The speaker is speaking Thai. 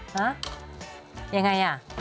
ฮะยังไง